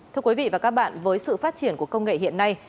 thưa quý vị và các bạn với sự phát triển của công nghệ hiện nay